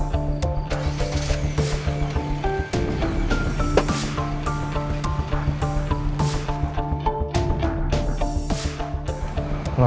udah usah ngelanjut